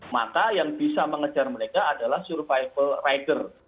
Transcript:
maka yang bisa mengejar mereka adalah survival rider